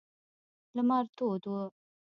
لمر تود و.